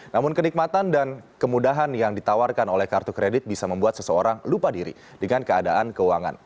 namun kenikmatan dan kemudahan yang ditawarkan oleh kartu kredit bisa membuat seseorang lupa diri dengan keadaan keuangan